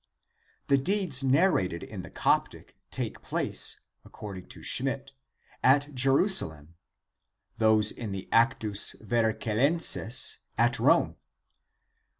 The deeds narrated in the Coptic take place, according to Schmidt, at Jerusalem, those in the Actus Vercellenses at Rome.